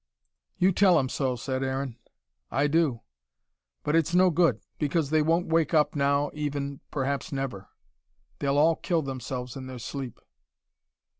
"You tell 'em so," said Aaron. "I do. But it's no good. Because they won't wake up now even perhaps never. They'll all kill themselves in their sleep."